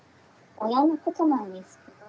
親のことなんですけど。